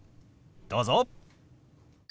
どうぞ。